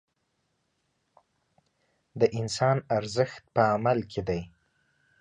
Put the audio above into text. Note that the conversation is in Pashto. د انسان ارزښت په عمل کې دی.